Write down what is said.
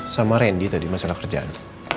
sama randy tadi masalah kerjaan